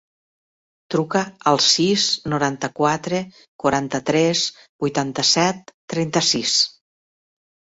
Truca al sis, noranta-quatre, quaranta-tres, vuitanta-set, trenta-sis.